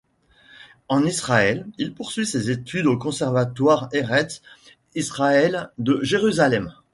En Israël, il poursuit ses études au Conservatoire Eretz-Israël de Jérusalem.